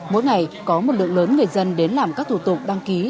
mỗi ngày có một lượng lớn người dân đến làm các thủ tục đăng ký